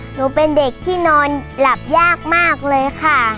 หนูเป็นเด็กที่นอนหลับยากมากเลยค่ะ